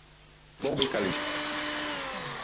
Bogb-ikali